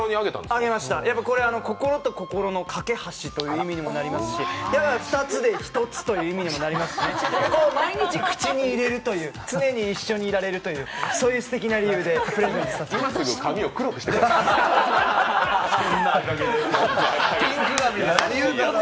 心と心の架け橋という意味もありますし、２つで１つという意味にもなりますしね、毎日口に入れるという常に一緒にいられるという、そういうすてきな理由でプレゼントさせてもらいました。